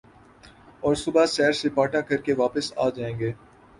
اور صبح سیر سپاٹا کر کے واپس آ جائیں گے ۔